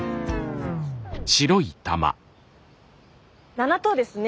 ７等ですね。